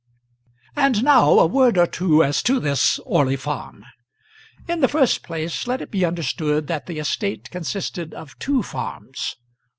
And now a word or two as to this Orley Farm. In the first place let it be understood that the estate consisted of two farms.